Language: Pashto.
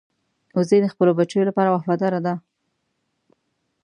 وزې د خپلو بچو لپاره وفاداره ده